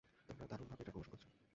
তোমরা দারুন ভাবে এটার প্রমোশন করেছ।